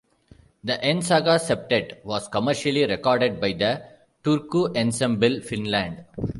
The "En Saga Septet" was commercially recorded by the Turku Ensemble, Finland.